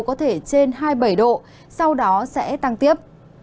có thể trên hai mươi bảy độ sau đó sẽ tăng tiếp